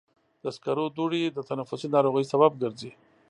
د سکرو دوړې د تنفسي ناروغیو سبب ګرځي.